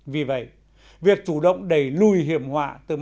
vì vậy việc chủ động đẩy lùi hiểm họa từ mặt